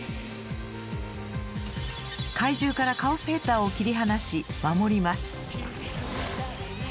怪獣からカオスヘッダーを切り離し守ります。